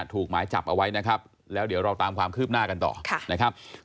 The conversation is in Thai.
หมายจับเอาไว้นะครับแล้วเดี๋ยวเราตามความคืบหน้ากันต่อนะครับ